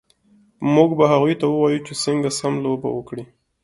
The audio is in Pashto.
موږ به هغوی ته ووایو چې څنګه سم لوبه وکړي